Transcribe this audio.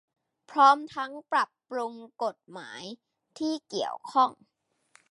พร้อมทั้งปรับปรุงกฎหมายที่เกี่ยวข้อง